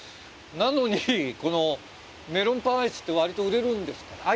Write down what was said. なのに、このメロンパンアイスって割と売れるんですか。